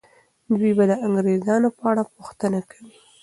دوی به د انګریزانو په اړه پوښتنه کوي.